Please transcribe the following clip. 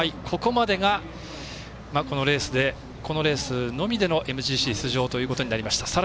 ここまでがこのレースのみでのＭＧＣ出場ということになりました。